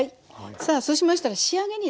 さあそうしましたら仕上げにですね